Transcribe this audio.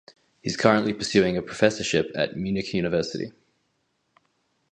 He's currently pursuing a professorship at Munich University.